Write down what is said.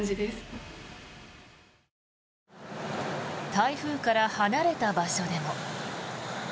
台風から離れた場所でも。